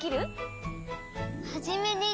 「はじめに」